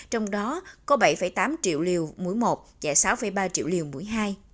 trong đó có bảy tám triệu liều mũi một trẻ sáu ba triệu liều mũi hai